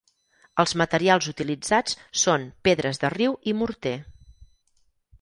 Els materials utilitzats són pedres de riu i morter.